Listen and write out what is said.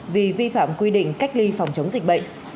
vì vi phạm quy định cách ly phòng chống dịch bệnh